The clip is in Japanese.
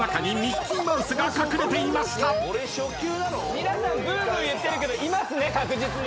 皆さんブーブー言ってるけどいますね確実に。